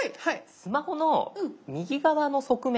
スマホの右側の側面。